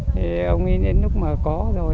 thì ông ấy đến lúc mà có rồi